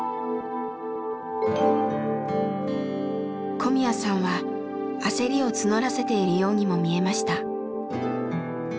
小宮さんは焦りを募らせているようにも見えました。